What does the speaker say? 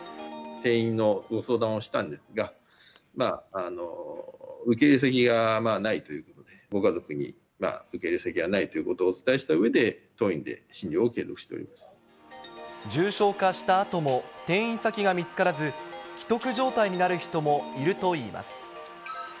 店員の相談をしたんですが、受け入れ先がないということで、受け入れ先がないということをお伝えしたうえで、重症化したあとも転院先が見つからず、危篤状態になる人もいるといいます。